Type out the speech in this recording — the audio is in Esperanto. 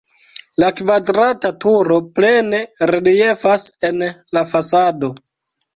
La kvadrata turo plene reliefas en la fasado.